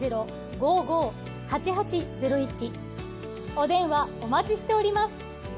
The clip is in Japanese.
お電話お待ちしております。